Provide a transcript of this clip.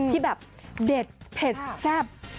ที่แบบเด็ดเผ็ดแซ่บ